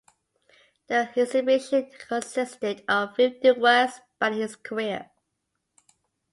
The exhibition consisted of fifty works spanning his career.